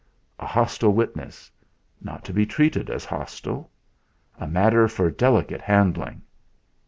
A hostile witness not to be treated as hostile a matter for delicate handling!